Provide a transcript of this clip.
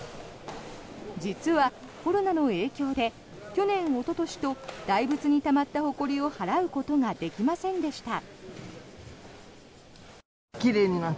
実はコロナの影響で去年、一昨年と大仏に、たまったほこりを払うことができませんでした。